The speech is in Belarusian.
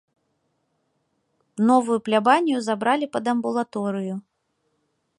Новую плябанію забралі пад амбулаторыю.